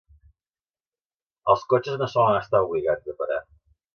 Els cotxes no solen estar obligats a parar.